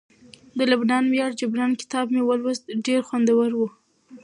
د لبنان ویاړ جبران کتاب مې ولوست ډیر خوندور وو